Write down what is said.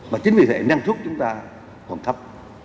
và chính vì thế năng suất chúng ta còn thấp